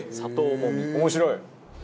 「面白い！」